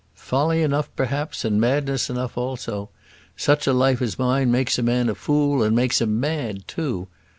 "Folly enough, perhaps, and madness enough, also. Such a life as mine makes a man a fool, and makes him mad too.